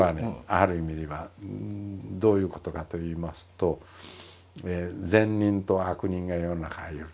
ある意味ではどういうことかといいますと善人と悪人が世の中いると。